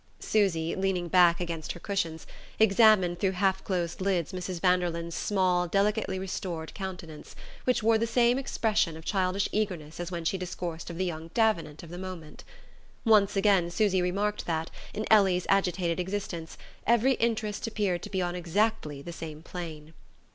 Susy, leaning back against her cushions, examined through half closed lids Mrs. Vanderlyn's small delicately restored countenance, which wore the same expression of childish eagerness as when she discoursed of the young Davenant of the moment. Once again Susy remarked that, in Ellie's agitated existence, every interest appeared to be on exactly the same plane.